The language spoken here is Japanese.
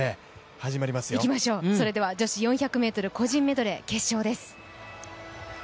それでは女子４００ｍ個人メドレー決勝です。